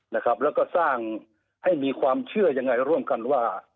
แล้วก็สร้างให้มีความเชื่อยังไงร่วมกันว่า